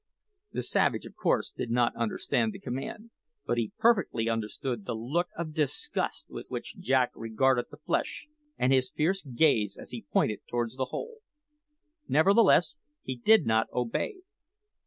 The savage, of course, did not understand the command; but he perfectly understood the look of disgust with which Jack regarded the flesh, and his fierce gaze as he pointed towards the hole. Nevertheless, he did not obey.